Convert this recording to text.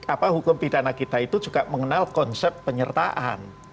apa hukum pidana kita itu juga mengenal konsep penyertaan